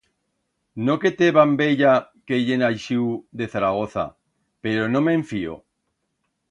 No que te bambeya que ye naixiu de Zaragoza, pero no me'n fío.